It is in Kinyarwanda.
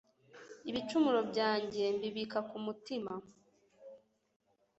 ibicumuro byanjye mbibika ku mutima